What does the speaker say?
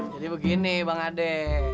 jadi begini bang ade